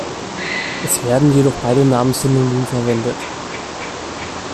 Es werden jedoch beide Namen synonym verwendet.